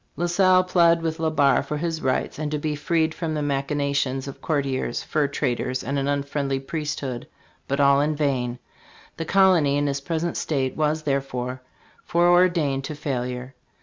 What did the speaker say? La Salle plead with Le Barre for his rights and to be freed from the machinations of courtiers, fur traders and an unfriendly priesthood, but all in vain. The colony in its present state was, therefore, foreordained to fail ure.